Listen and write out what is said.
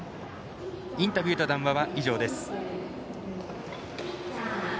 インタビューと談話は以上です。